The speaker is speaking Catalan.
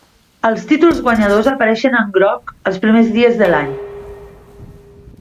Els títols guanyadors apareixen en groc, els primers de l'any.